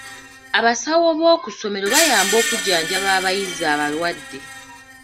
Abasawo b'oku ssomero bayamba okujjanjaba abayizi abalwadde.